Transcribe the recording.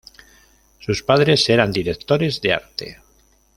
Sus padres eran directores de arte.